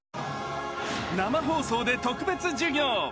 生放送で特別授業。